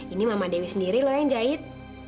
ini mama dewi sendiri loh yang jahit